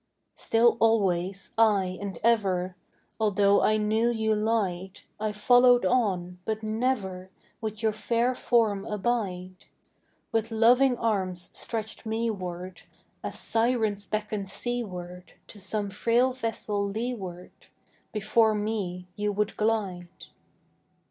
Still always, aye, and ever, Although I knew you lied, I followed on, but never Would your fair form abide: With loving arms stretched meward, As Sirens beckon seaward To some frail vessel leeward, Before me you would glide.